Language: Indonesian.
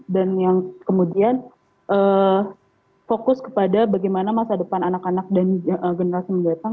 dan yang kemudian fokus kepada bagaimana masa depan anak anak dan generasi mendatang